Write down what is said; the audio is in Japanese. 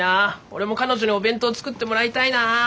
俺も彼女にお弁当作ってもらいたいな。